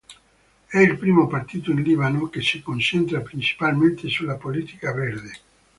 È il primo partito in Libano che si concentra principalmente sulla politica verde.